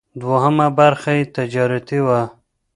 دوهمه برخه یې تجارتي وه.